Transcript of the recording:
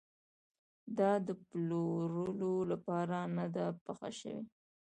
دا د پلورلو لپاره نه ده پخه شوې.